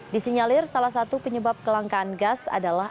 di sinyalir salah satu penyebab kelangkaan gas adalah